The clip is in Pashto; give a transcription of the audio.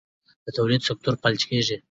د تولید سکتور فلج کېږي.